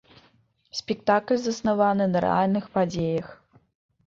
Спектакль заснаваны на рэальных падзеях.